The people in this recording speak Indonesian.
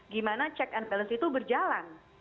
gimana check and balance itu berjalan